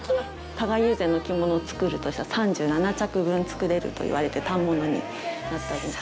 加賀友禅の着物を作るとしたら３７着分作れるといわれる反物になっております。